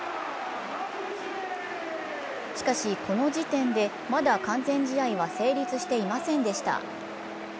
しかしこの時点で、まだ完全試合は成立していませんでした。